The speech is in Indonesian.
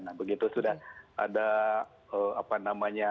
nah begitu sudah ada apa namanya